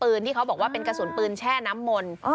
ที่เขาบอกว่าเป็นกระสุนปืนแช่น้ำมนต์